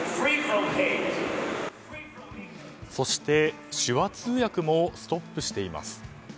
そして、手話通訳もストップしています。